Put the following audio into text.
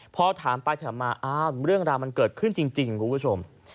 พอถามไปถามมาอ้าวเรื่องราวมันเกิดขึ้นจริงคุณผู้ชม